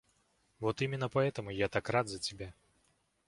Вот именно поэтому я так рад за тебя.